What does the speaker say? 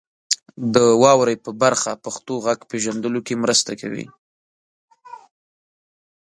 د واورئ برخه پښتو غږ پیژندلو کې مرسته کوي.